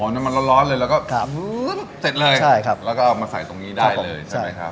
อ๋อน้ำมันร้อนเลยแล้วก็เสร็จเลยแล้วก็เอามาใส่ตรงนี้ได้เลยใช่มั้ยครับ